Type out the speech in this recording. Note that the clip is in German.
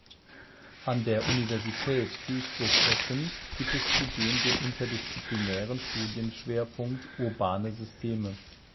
An der Universität Duisburg-Essen gibt es zudem den interdisziplinären Studienschwerpunkt "Urbane Systeme.